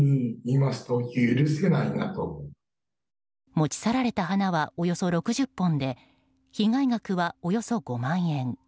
持ち去られた花はおよそ６０本で被害額は、およそ５万円。